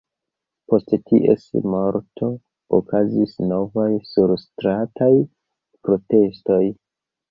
Post ties morto okazis novaj surstrataj protestoj.